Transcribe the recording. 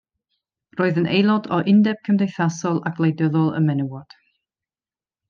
Roedd yn aelod o Undeb Cymdeithasol a Gwleidyddol y Menywod.